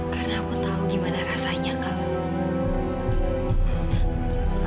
karena aku tahu gimana rasanya kak